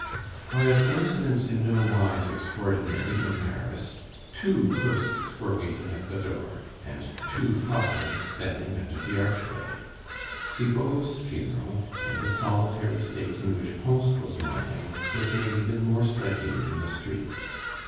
By a coincidence in nowise extraordinary in Paris, two hearses were waiting at the door, and two coffins standing under the archway; Cibot's funeral and the solitary state in which Pons was lying was made even more striking in the street.